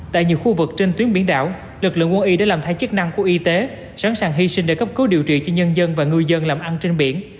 tại nhiều khu vực trên tuyến biển đảo lực lượng quân y đã làm thay chức năng của y tế sẵn sàng hy sinh để cấp cứu điều trị cho nhân dân và ngư dân làm ăn trên biển